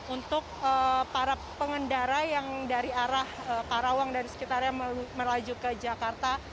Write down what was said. untuk para pengendara yang dari arah karawang dan sekitarnya melaju ke jakarta